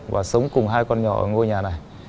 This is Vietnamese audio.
và sống cùng hai con nhỏ ở ngôi nhà này